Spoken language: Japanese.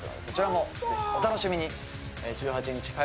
そちらもお楽しみに。